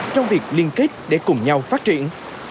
trong việc liên kết để cùng nhau phát triển